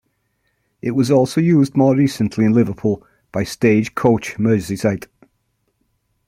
It was also used more recently in Liverpool by Stagecoach Merseyside.